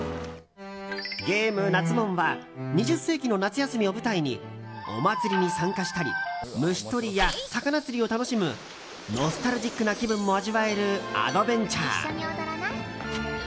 ゲーム「なつもん！」は２０世紀の夏休みを舞台にお祭りに参加したり虫取りや魚釣りを楽しむノスタルジックな気分も味わえるアドベンチャー。